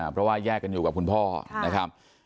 เพราะว่าแยกกันอยู่กับคุณพ่อนะครับ